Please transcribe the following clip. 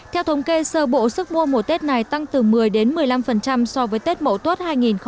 theo thống kê sơ bộ sức mua mùa tết này tăng từ một mươi một mươi năm so với tết mẫu tuốt hai nghìn một mươi tám